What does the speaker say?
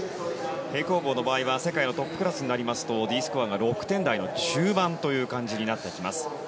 平行棒の場合は世界のトップクラスになりますとＤスコアが６点台の中盤となってきます。